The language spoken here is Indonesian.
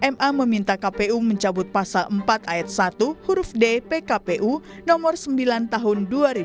ma meminta kpu mencabut pasal empat ayat satu huruf d pkpu nomor sembilan tahun dua ribu dua puluh